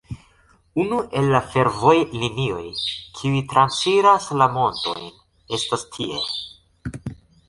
Unu el la fervojlinioj, kiuj transiras la montojn, estas tie.